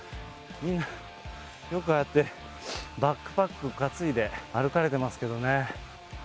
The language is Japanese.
よく、ああやって、バックパック担いで歩かれてますけどね。